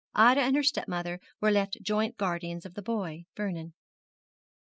Ida and her stepmother were left joint guardians of the boy, Vernon.